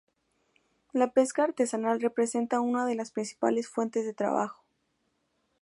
La pesca artesanal representa una de las principales fuentes de trabajo.